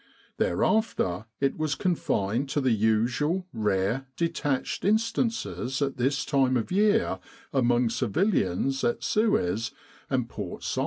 Thereafter it was confined to the usual rare, detached instances at this time of year among civilians at Suez and Port Said.